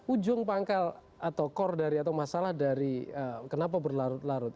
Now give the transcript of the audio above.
ujung pangkal atau core dari atau masalah dari kenapa berlarut larut